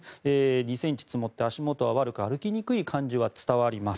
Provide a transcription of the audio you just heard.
２ｃｍ積もって足元は悪く歩きにくい感じは伝わります。